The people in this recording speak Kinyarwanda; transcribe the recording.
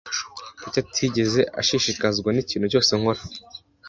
Kuki atigeze ashishikazwa n'ikintu cyose nkora?